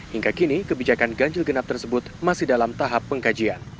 hingga kini kebijakan ganjil genap tersebut masih dalam tahap pengkajian